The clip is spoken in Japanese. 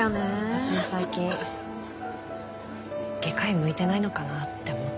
私も最近外科医向いてないのかなって思ったりしてる。